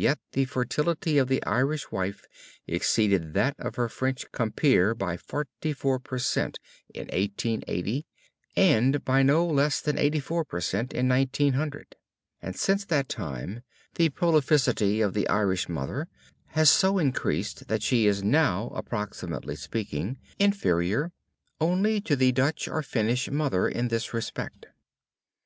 Yet the fertility of the Irish wife exceeded that of her French compeer by 44 per cent in 1880, and by no less than 84 per cent in 1900. And since that time the prolificity of the Irish mother has so increased that she is now, approximately speaking, inferior only to the Dutch or Finnish mother in this respect.